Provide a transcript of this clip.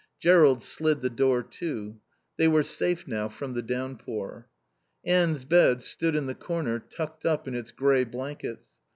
Jerrold slid the door to. They were safe now from the downpour. Anne's bed stood in the corner tucked up in its grey blankets.